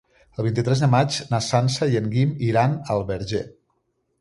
El vint-i-tres de maig na Sança i en Guim iran al Verger.